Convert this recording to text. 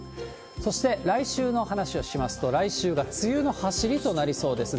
そして来週の話をしますと、来週が梅雨のはしりとなりそうです。